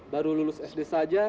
baru lulus sd saja